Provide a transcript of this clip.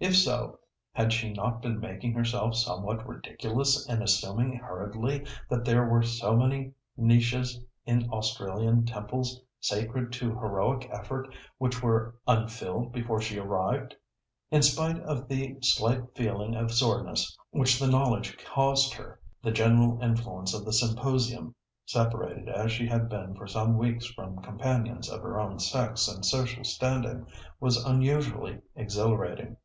If so, had she not been making herself somewhat ridiculous in assuming hurriedly that there were so many niches in Australian temples sacred to heroic effort which were unfilled before she arrived. In spite of the slight feeling of soreness which the knowledge caused her, the general influence of the symposium, separated as she had been for some weeks from companions of her own sex and social standing, was unusually exhilarating.